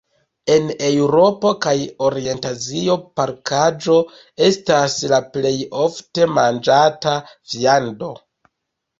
En Eŭropo kaj Orient-Azio porkaĵo estas la plej ofte manĝata viando.